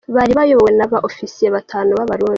Bari bayobowe n’aba officiers batanu b’abarundi.